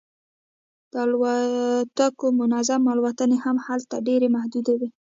د الوتکو منظم الوتنې هم هلته ډیرې محدودې دي